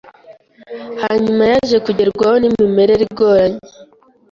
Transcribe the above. Hanyuma yaje kugerwaho n’imimerere igoranye